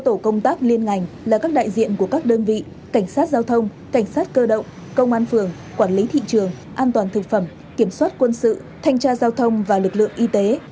tổ công tác liên ngành là các đại diện của các đơn vị cảnh sát giao thông cảnh sát cơ động công an phường quản lý thị trường an toàn thực phẩm kiểm soát quân sự thanh tra giao thông và lực lượng y tế